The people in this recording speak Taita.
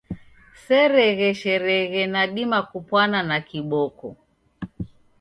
Seregheshereghe nadima kupwana na kiboko.